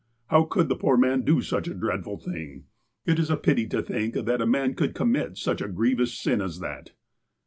How could the poor man do such a dreadful thing ? It is a pity to think that a man could commit such a grievous sin as that."